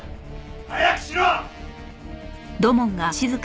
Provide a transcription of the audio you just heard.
早くしろ！